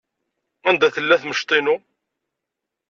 Anda tella temceḍt-inu?